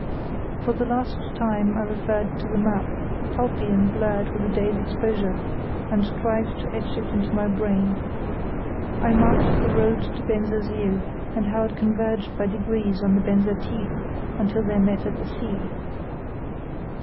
For the last time I referred to the map, pulpy and blurred with the day's exposure, and tried to etch it into my brain. I marked the road to Bensersiel, and how it converged by degrees on the Benser Tief until they met at the sea.